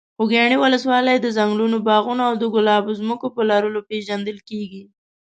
خوږیاڼي ولسوالۍ د ځنګلونو، باغونو او د ګلابو ځمکو په لرلو پېژندل کېږي.